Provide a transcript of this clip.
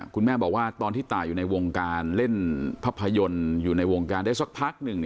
คุณแม่บอกว่าตอนที่ตายอยู่ในวงการเล่นภาพยนตร์อยู่ในวงการได้สักพักหนึ่ง